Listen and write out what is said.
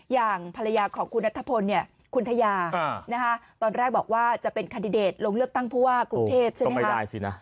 อย่างภรรยาของคุณนัทพลคุณทะยาตอนแรกบอกว่าจะเป็นคันดิเดตลงเลือกตั้งผู้ว่ากรุงเทพใช่ไหมคะ